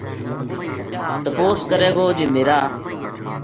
تپوس کرے گو جی میرا